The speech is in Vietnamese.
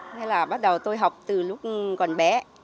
thế là bắt đầu tôi học từ lúc còn bé